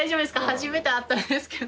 初めて会ったんですけど。